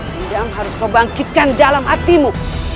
hindam harus kau bangkitkan dalam hatimu